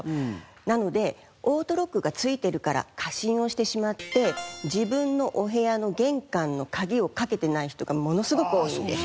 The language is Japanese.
なのでオートロックが付いてるから過信をしてしまって自分のお部屋の玄関の鍵をかけてない人がものすごく多いんです。